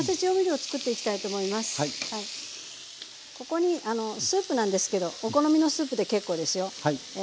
ここにあのスープなんですけどお好みのスープで結構ですよ。